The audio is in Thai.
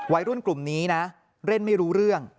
วัยรุ่นกลุ่มนี้นะเล่นไม่รู้เรื่อง